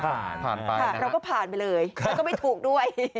เราก็ผ่านไปเลยแล้วก็ไม่ถูกด้วย